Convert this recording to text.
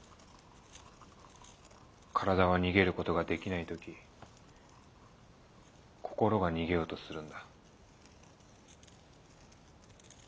体は逃げる事ができない時心が逃げようとするんだ。